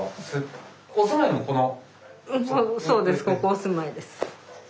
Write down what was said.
ここ住まいです。